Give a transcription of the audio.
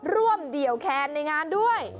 เดี่ยวแคนในงานด้วย